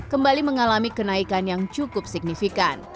kembali mengalami kenaikan yang cukup signifikan